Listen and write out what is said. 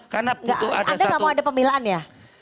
karena anda gak mau ada pemilaan ya